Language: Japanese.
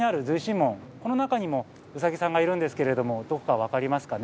門この中にもうさぎさんがいるんですけれどもどこかわかりますかね？